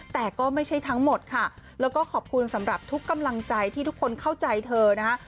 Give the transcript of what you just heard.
แต่ก็ไม่ใช่ทั้งหมดค่ะแล้วก็ขอบคุณสำหรับทุกกำลังใจที่ทุกคนเข้าใจเธอนะคะ